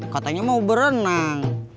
katanya mau berenang